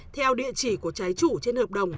theo địa chỉ của trái chủ trên hợp đồng